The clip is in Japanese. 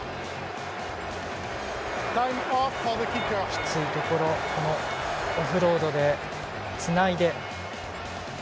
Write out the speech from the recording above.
きついところオフロードでつないで。